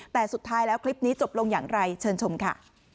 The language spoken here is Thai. แต่สุดท้ายแล้วคลิปนี้จบลงอย่างไรเชิญชมค่ะ